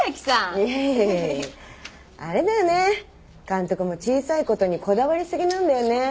監督も小さいことにこだわり過ぎなんだよね。